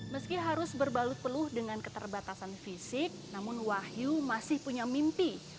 meski harus berbalut peluh dengan keterbatasan fisik namun wahyu masih punya mimpi